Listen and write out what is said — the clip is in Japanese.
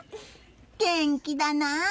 元気だな。